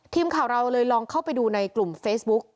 ทีมข่าวเราเลยลองเข้าไปดูในกลุ่มเฟซบุ๊ก